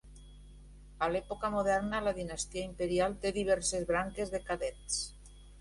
A l"època moderna, la dinastia imperial té diverses branques de cadets.